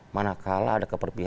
dan awam knoch